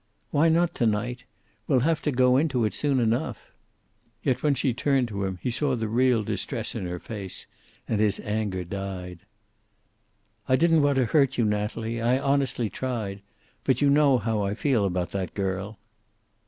"Why not to night? We'll have to go into it soon enough." Yet when she turned to him he saw the real distress in her face, and his anger died. "I didn't want to hurt you, Natalie. I honestly tried. But you know how I feel about that girl."